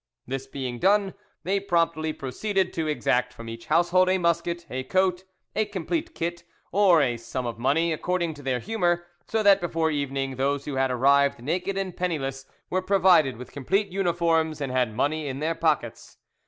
This being done, they promptly proceeded to exact from each household a musket, a coat, a complete kit, or a sum of money, according to their humour, so that before evening those who had arrived naked and penniless were provided with complete uniforms and had money in their pockets.